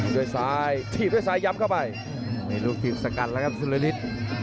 ด้วยซ้ายถีบด้วยซ้ายย้ำเข้าไปมีลูกถีบสกัดแล้วครับสุรฤทธิ์